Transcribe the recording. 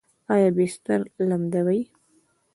ایا بستر لمدوي؟